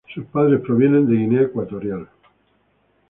Sus padres provienen de Guinea Ecuatorial.